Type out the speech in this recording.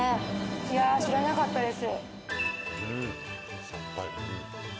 いや知らなかったです。